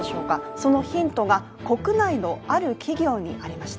そのヒントが、国内のある企業にありました。